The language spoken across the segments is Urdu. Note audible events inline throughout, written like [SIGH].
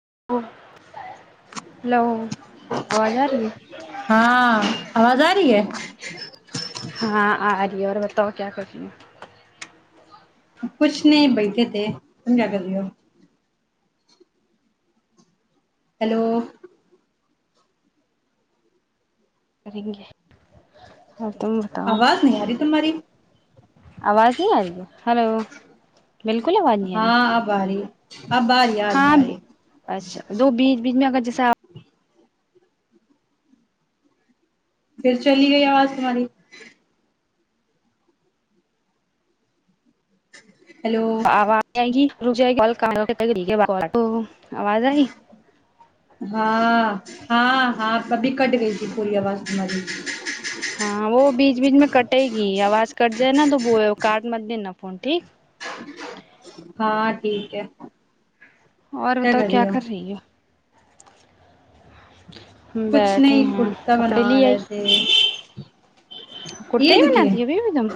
[UNINTELLIGIBLE] ہلو آواز آ رہی ہے ہاں آواز آرہی ہے اور اور بتاؤ کیا کر رہی ہیں کچھ نہیں بیٹھے تھے تم کیا کر رہی ہو ہیلو کریں گے اور تم بتاؤ آواز نہیں آ رہی تمہاری آواز نہیں آ رہی ہے ہیلو بالکل آواز نہیں آرہی ہاں اب آ رہی اب آ رہی آ رہی ہاں آ رہی اچھا دو بیچ بیچ میں اگر جس [UNINTELLIGIBLE] پھر چلی گئی آواز تہاری ہیلو [UNINTELLIGIBLE] [UNINTELLIGIBLE] آئی ہاں ہاں ہاں ابھی کٹ گئی تھی پوری آواز تمہاری ہاں وہ بیچ بیچ میں کٹے گی آواز کٹ جائے نا تو وہ کارڈ مت دینا فون ٹھیک ہاں ٹھیک ہے اور بتاؤ کیا کر رہی ہو ہم کچھ بیٹھے نہیں ہیں کرتا کپڑے بنا لے آئی رہے تھے کرتے ہی عید کے بناتی ہو ابھی بھی تم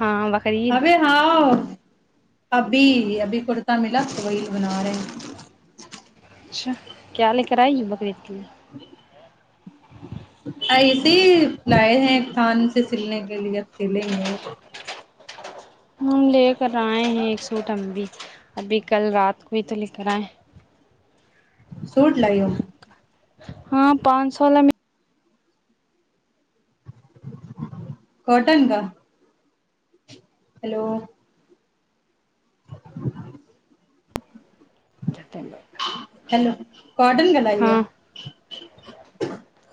ہاں بقرعید ابے ہاں ابھی ابھی کورٹ ملا تو وہی بنا رہے ہیں اچھا کیا لے کر آئی بکرا عید کے لیے [UNINTELLIGIBLE] ایسے لائے ہیں کان سے سلنے کے لیے سیلیں گے ہم لے کر آئے ہیں ایک سوٹ ہم بھی ابھی کل رات کو ہی تو لے کر آئے سوٹ لائی ہو ہاں پانچ سو وال میں کاٹن کا ہیلو ہیلو کٹن کرلائی ہو ہاں [UNINTELLIGIBLE]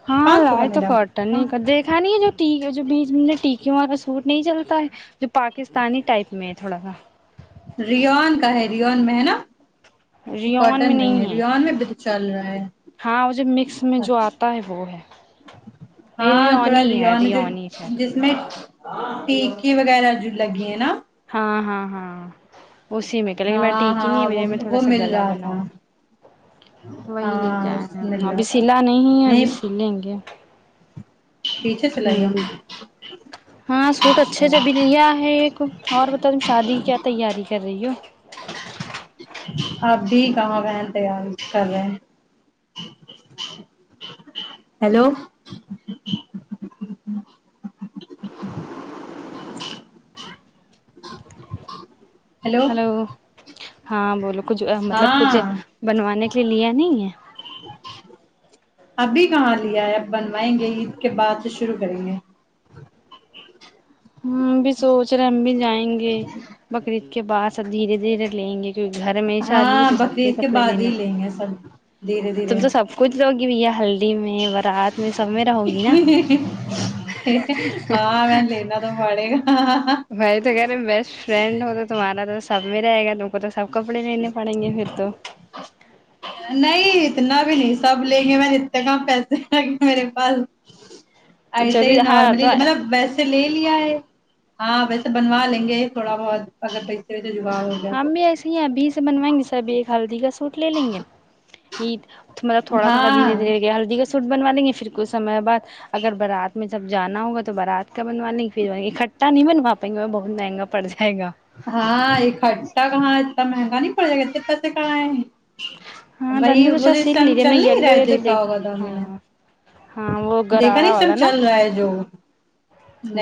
ہاں لائے تو کٹن ہاں نہیں دیکھا نہیں ہے جو ٹھیک ہے جو منٹ ٹھیک ہوں اپ کو سوٹ نہیں چلتا ہے جو پاکستانی ٹائپ میں ہے تھوڑا سا ریون کا ہے ریون میں ہے نا ریون کاٹن نہیں میں ہے ریحان میں چل رہا ہے ہاں مجھے مکس میں جو اچھا اتا ہے وہ ہے ہاں تھوڑا پریانی ہے ری انچ ہے پی کے وغیرہ جو لگے ہیں نا ہاں ہاں ہاں اسی میں کلر میں ہاں ٹیک ہی نہیں ہاں وہ میرے میں تھوڑا وہ سا مل گلا رہا تھا بناؤں وہیں لے کے ہاں ایا تھا مل رہا ابھی سلا نہیں ہے ابھی سیلیں گے پیچھے چلا ہ گیا ہاں سوٹ اچھے اچھا سےبھی لیا ہے ایک اور تم شادی کی کیا تیاری کر رہی ہو اپ بھی کہا بہن تیار کر رہے ہیں ہیلو ہیلو ہلو ہاں بولو مطلب کچھ ہاں بنوانے چلیا نہیں ہے ابھی کہاں لیا ہے بنوائیں گے عید کے بعد سے شروع کریں گے ابھی سوچ رہے ہیں ابھی جائیں گے بکری کہ بس دھیرے دھیرے گھر میں شادی ہاں تو سب کے بقرعید کپڑے بعد ہی لینے لیں گے سب دھیرے دھیرے تم تو سب کچھ لوگ یہ ہلکی میں ورات میں سب میں رہوں گی نا ہاں میں لینا تو پڑے گا میں تو کہہ رہے ہیں بیسٹ فرینڈ ہو تو تمہارا تو سب میں ہے گ دوک تو سب کپڑے لینے پڑیں گے پھر تو نہیں اتنا بھی نہیں سب لیں گے میں نے اتنے کام پیسے لگیں میرے پاس تو ایسے جبھی ہی ہاں نارملی تو مطلب ویسے لے لیا ہے ہاں ویسے بنوا لیں ے تھوڑا بہت اگر پسے ہم بھی ایسے ہی ابھی سے بنوائیں گے سب ایک ہلدی کا سو لے لیں گے عید ملب تھوڑا تھوڑ دھیر ہاں دھیر گ ہلدی سوٹ بنو لیں گے پھر کچھمے بعد اگر بارات میں جب جانا ہوگا تو بارات ک بنوا نہیں کی پھروٹ نہیںن پاائیں گے بہ منگا پڑ ج ہے ہاں ایک کا کہاں انا گانی پڑ ج گتے ت سے کا ہے ہاں وہی تنو وہ شاید تو اس سل ٹائم لیجیے ہم چل نے نہیں رہا یلو ہے یلو دیکھا ہوگا تھا انوں نے ہاں ہاں وہ دیکھا نہیں گرارا اس والا سب نا چل رہا ہے جو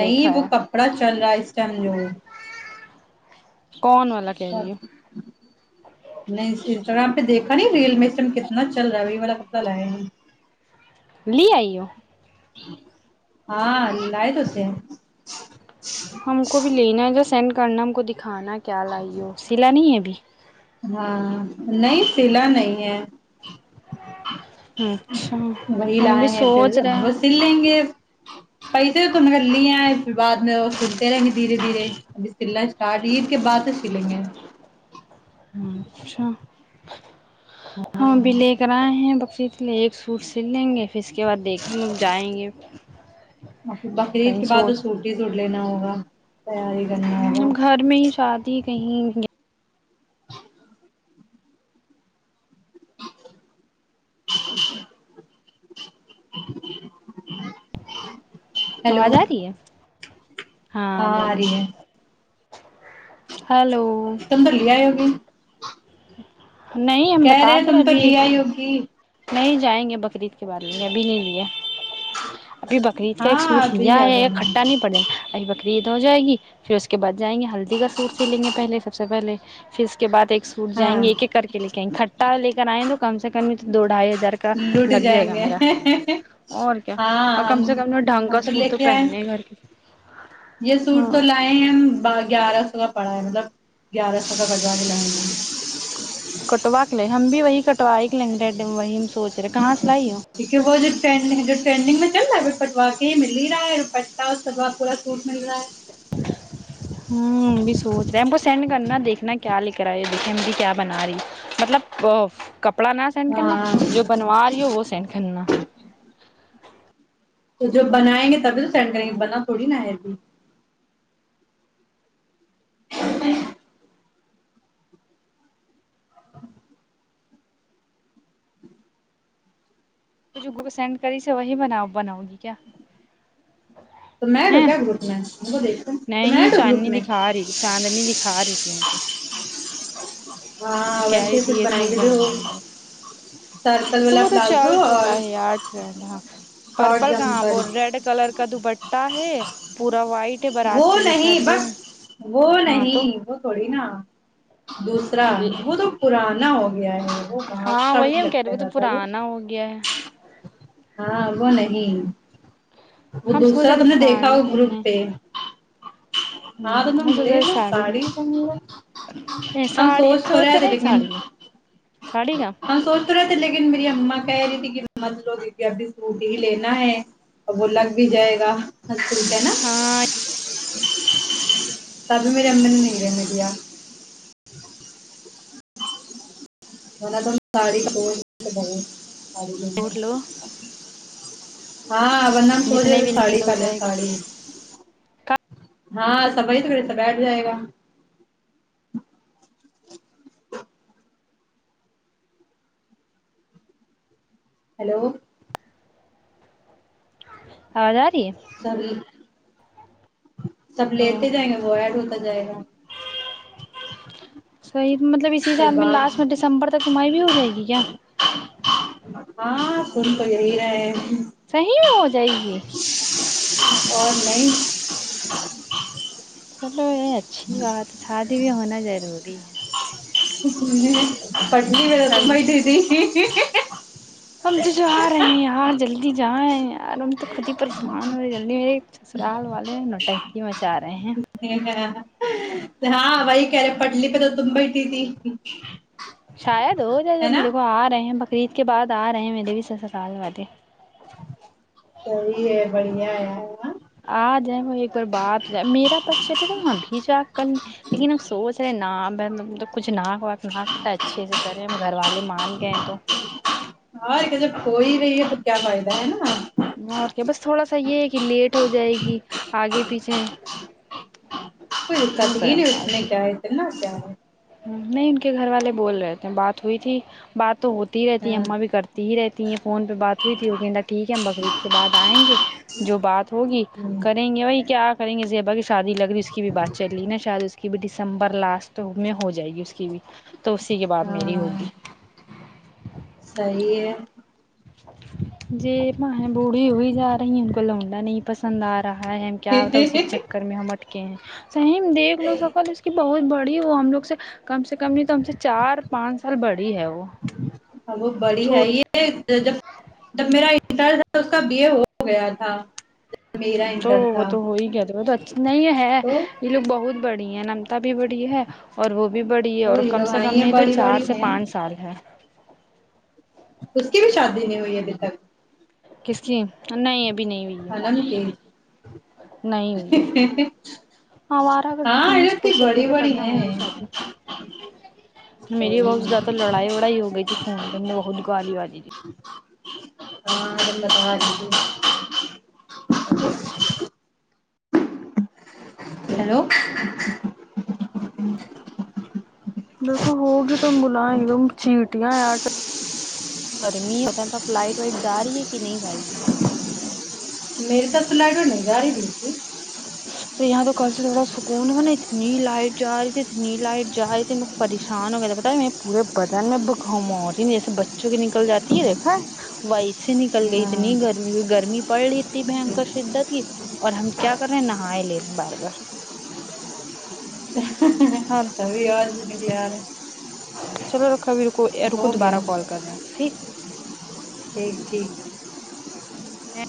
دیکھا وہ ہے کپڑا چل رہا ہے اس ٹائم جو کون والا کہہ رہی ہو نہیں انسٹاگررام پہ دیکھ کنی ریل میں سےم کتنا چل رہا ہے وہی والا پتہ لایا نہیں لے آئیے ہاں لد ہوتے ہم کو بھی لینا یا سینڈ کرنا ہم کھانا کیا لائی ہو سلا نہیں ہے ای ہاں نہیں سلا نہیں ہے ہوں وہی لئے ہیں پھر اب وہ سل لیں گے پیسے تو کم کر لی ہیں اس پھر بعد میں وہ سلتے رہیں گے دھیرے دھیرے سلنا اسٹارٹ عید کے بعد تو سلیں گے اچھا [UNINTELLIGIBLE] ہماں بھیھی لے کر آئے ہیں سی لیں ایک سوٹ سل لیں گے پھر اس کے بعد دیکھیں گے جائیں گے اور کہیں سوچ ہاں ہ گھر میں ہی شادی کہیں [UNINTELLIGIBLE] [UNINTELLIGIBLE] ہیلو آواز آ رہی ہے ہاں آ بولو رہی ہے ہلو تم تو لے ائی ہوگی نہیں ہم کہہ بتا رہے تم تو ابھی لیا ہی ہوگی نہیں جائیں گے بکری کا کے بعد ل ابھی نہیں لیا ابھی بقریید کا ایک ہاں سوٹ ابھی لیا کیا ہے کرنا کھٹا نہیں پڑ جائے گا ابھی بکریید ہو جائے گی پھر اس کے بعد جائیں گے ہلدی کا سوٹ س لیں گے پہے سب سے پہے پھر اس کے بعد ایک سوٹ جائیں ہاں گے ایک ایک کر کے لے کے آیں گے اکھٹا لے کر آئےیں تو کم سے کم دو ڈھائی ہزار کا لٹ لگ جائے جائیں گا گے میرا اور کیا اور ہاں کم ہم سے کم ڈھنگ کا ہم لے سوٹ تو کے آئے پہننے گھر کے یہ سوٹ ہاں تو لائے ہی ہم گیارہ سو کا پڑا ہے مطلب گیارہ سو کا بزار بھی لائ گ کٹوا کے لے ہم بھی وہی کٹوائی کے لیں گےڈ وہ سے لائی ہو دیکھیے وہ جو ٹڈ جو ٹرینڈگ میں چل رہ ہے پٹوا کے ہی مل ہی رہا ہے اور پٹا اس س پورا سوٹ مل رہا ہے ہوں بھی سوچ رہے ہیں کو سینڈ کرنا دیکھنا کیا لکھنا د م کیا بنا رہی مطلب ک کپڑا نہ سینڈ کرنا ہاں جو بنوا رہی ہو وہ سینڈ کرنا تو جو [UNINTELLIGIBLE] بگوں کو سینڈ کری سے وہی بنا بناؤ گی کیا تو میںٹ ہیں کیا گروپ میں وہ دیکھ ت تو میںٹ نہیں گروپ میں چاندنی دکھا رہی تھی چاندنی دکھا رہی تھی ہم کو وہ ہاں کہہ رہی ویسے تھی پھر یہ بنائیں سوٹ گے جو بنوائیں گے سرکل تو والا وہ تو چل پلازو اور چکا ہے یار ٹرینڈ ہاں شارٹ پرپل کا ہاں جمپر وہ ریڈ کلر کا دو ب تا ہے پورا وائٹ ہے وہ بارات کے لیے شاید نہیں بٹ وہ ہے وہ ہاں نہیں تو وہ تھوڑی نا دوسرا وہ دیکھ تو پرانا ہو گیا ہے وہ کہاں ہاں اچھا بھی وہی نہیں ہم کہہ رہے لگتا وہ تو زیادہ پرانا ہو گیا ہے ہاں وہ نہیں وہ ہم سوچ دوسرا رہے تھے تم نے دیکھا ساڑی گروپ پہنے پہ ہوں آد ہم سوچ مل رہے ساڑی میں ہم ساڑی سوچ رہے طن ساڑی میں ساڑی کا ہم سوچ طد لن مری ا کہہ رہی تھی کہ مت لو تی ابھی سوٹ ہی لینا ہے وہ لگ بھی جائے گا ہت رپ نا ہاں تبم رمن نیر مرییا منا تو ساڑ ب ب ار [UNINTELLIGIBLE] ووٹ لو ہاں بن میں سو جے جتنے تھ بھی ساڑی لگ پہلے جائے گا ساڑی ہاں سب وہی توسا بیٹھ جائے گا ہیلو ہدا [INAUDIBLE] سر [INAUDIBLE] سب تو لیتے جائیں گے وہ ایڈ ہوتے جائے گا تو مطلب اسی پھر سالد میں لاسٹ میں بات دسمبر تک کمائی بھی ہو جائے گی کیا کون کو یہ رہ ہے صی ہو جائے گی اور نہیں چلو یہ اچھی بات ہے شادی بھی ہونا ضروری ہے اک نے [INAUDIBLE] سب پٹنی و ت سبھی ماہت تھی ج [INAUDIBLE] ہم جو جو آ رہے ہیں یہاں جلدی جی جائ یارب ہم تو خود ہی پریشان ہو رہے جلدی میرے ایک سسرال والے ہیں نو ٹنکی مچا رہے ہیں ہاں وہائی کہرے پڑلی پہ تو تم بیٹ تھی تھی شاید ہو جائے ہے جلدی نا دیکھو آ رہے ہیں ب خرید کے بعد آ رہے ہیں میرے بھی سسکال والے صحی ہے بڑھیا ہے آ جائیں وہ ایک بار بات ہو جائے میرا بس چلے تو ہم بھی جا ب کچھ نہا بتناتا اچھے سے کریں ہم گھر والے مان گئے تو کوئی نہیں تو کیا فائد ہے نا اور کیا بس تھوڑا سا یہ ہے کہ لیٹ ہو جائے گی آگے پیچھے کیوں کریں فال نا و کیا ہے نہیں ان کے گھر والے بول رہے تھے بات ہوئی تھی بات تو ہوتی تی رہتی ہیں ہاں اماں بھی کرتی ہی رہتی ہیں فون پہ بات ہوئی تھی وہ کہند ٹھیک ہے ہم بقرریید کے بعد آئیں گے جو بات ہوگی کریں گے بھائی کیا کریں گے یہیحبا کی شادی لگ رہی اس کی بھی بات چل رہی نا شاید اس کی بھی ڈسمبر لاسٹ ہو میں ہو جائے گی اس کی بھی تو اسی کے بعد میری ہوگی صی ہے جی بیں بوڑی ہوی جا رہی ان کو لاؤڈا نہیں پسند آ رہا چاہا ہے کیا آتا اسی چکر میں ہم کہ سحیم دیکھ لو سکل اس کی بہت بڑ ی وہ ہم لوگ سے کم سے کم نہیں تو ہم سے چار پانچ سال بڑی ہے وہ ہاں وہ بڑی ہے چھوٹ یہ جب جب میرا درد اس کا بی اے ہو گیا تھا میرا تو انٹر وہ تھا تو ہو ہی گیا تھا وہ تو اچ نہیں ہے تو یہ لوگ بہت بڑے ہیں ن بھی بڑی ہے اور وہ بھی بڑی ہے تو اور یہ کم لوگ سے کم آئی ہیں نہیں تو بڑی چار بڑی سے ہیں پانچ سال ہے اس کی بھی شادی نہیں ہوئی ابھی تک کس کی نہیں ابھی نہیں ہوئی ہے حالم موٹی کی نہیں ہوئی ہے ہاںارہ کر ہاں اتنی بڑی مے بڑی تب نہ ہو گی ہیں شادی میری بہت زیادہ ہاں لڑائی وڑائی ہو گئی تھی فون پ میں بہت گالی والی تھی ہلہ تھاج ہیلو بالکل ہوگی ت بلائیں تم چیٹیاں ی گرمی ف لائٹ وائٹ جا رہی ہے کہ نہیں جا رہی ہے میرے تو فلائٹ ہو نہیں گاڑی بلکی یہاں تو کل سے تھوڑا سکون ہوا نا اتنی لائٹ جا رہی تھی اتنی لائٹ جا رہی تھی پریشان ہو گیا تھا بتا پورے بدن میں بم رہی جیسے بچوں کی نکل جاتی ہے دیکھا ویسے نکل گئی ہاں اتنی گرمی گرمی پڑ رہی تھی بنکر شدت کی اور ہم کیا کریں نہاائے لےنے بار بار ہاں تبھی اور بار چلو رکھا بھی ر کو رکو دوبارہ کال کر رہے ہیں ٹھیک ٹھیک ٹھیک